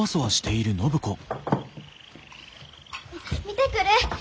見てくる！